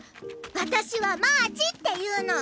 わたしはマーチっていうの！